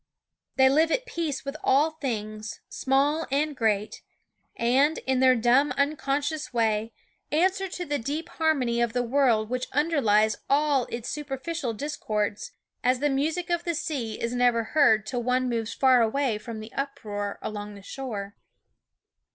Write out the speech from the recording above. They live at peace with all things, small and great, and, in their dumb uncon scious way, answer to the deep harmony of the world which underlies all its superficial discords, as the music of the sea is never heard till one moves far away from the uproar along the shore.